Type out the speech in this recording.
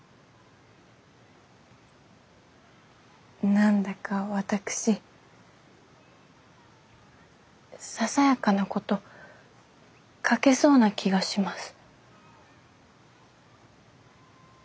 何だか私ささやかなこと描けそうな気がします。